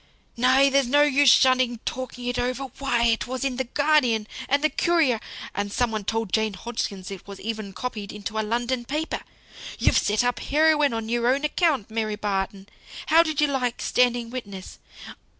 "Nay! there's no use shunning talking it over. Why! it was in the Guardian, and the Courier, and some one told Jane Hodson it was even copied into a London paper. You've set up heroine on your own account, Mary Barton. How did you like standing witness?